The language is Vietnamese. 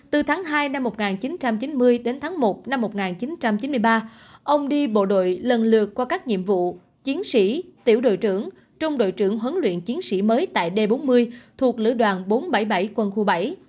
từ tháng hai năm một nghìn chín trăm chín mươi đến tháng một năm một nghìn chín trăm chín mươi ba ông đi bộ đội lần lượt qua các nhiệm vụ chiến sĩ tiểu đội trưởng trung đội trưởng huấn luyện chiến sĩ mới tại d bốn mươi thuộc lữ đoàn bốn trăm bảy mươi bảy quân khu bảy